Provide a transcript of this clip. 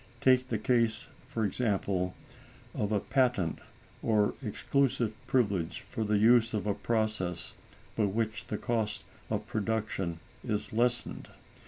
Take the case, for example, of a patent or exclusive privilege for the use of a process by which the cost of production is lessened.